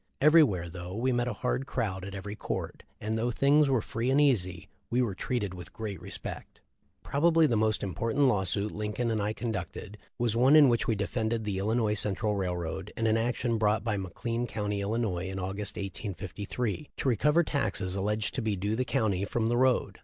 Everywhere, though we met a hard crowd at every court, and though things were free and easy, we were treated with great respect." Probably the most important lawsuit Lincoln 63< THE LIFE OF LINCOLN and I conducted was one in which we defended the Illinois Central Railroad in an action brought by McLean County, Illinois, in August, 1853, to recover taxes alleged to be due the county from the road.